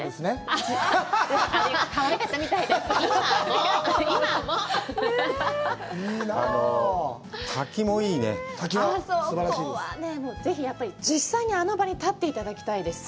あそこはね、ぜひ実際にあの場に立っていただきたいです。